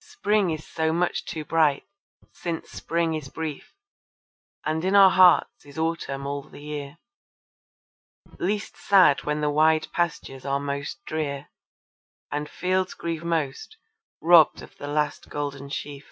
Spring is so much too bright, since Spring is brief, And in our hearts is Autumn all the year, Least sad when the wide pastures are most drear And fields grieve most robbed of the last gold sheaf.